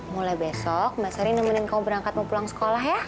mulai besok mbak sari nemenin kau berangkat mau pulang sekolah ya